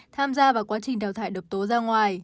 tham gia vào quá trình đào thải độc tố ra ngoài